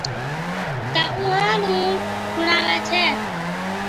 تہ اُونھان نُون سُڻاوي ڇَي